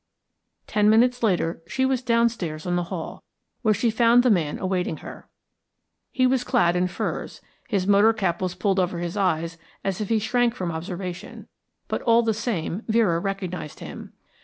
Ten minutes later she was downstairs in the hall, where she found the man awaiting her. He was clad in furs, his motor cap was pulled over his eyes as if he shrank from observation; but all the same Vera recognised him.